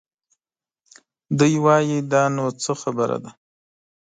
دوی وايي دا نو څه خبره ده؟